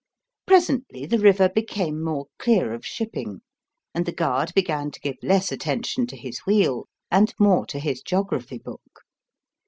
Presently the river became more clear of shipping, and the guard began to give less attention to his wheel and more to his geography book.